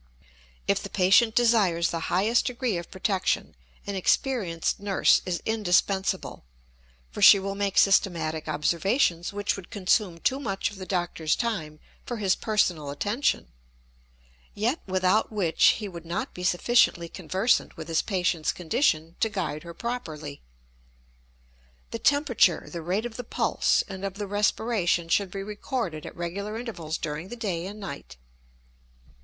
If the patient desires the highest degree of protection an experienced nurse is indispensable, for she will make systematic observations which would consume too much of the doctor's time for his personal attention, yet without which he would not be sufficiently conversant with his patient's condition to guide her properly. The temperature, the rate of the pulse, and of the respiration should be recorded at regular intervals during the day and night.